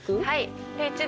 はい。